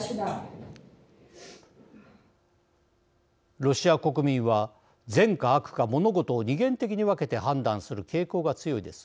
ロシア国民は善か、悪か物事を二元的に分けて判断する傾向が強いです。